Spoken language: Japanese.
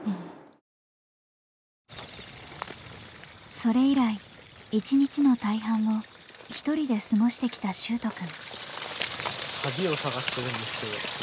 それ以来一日の大半をひとりで過ごしてきた秀斗くん。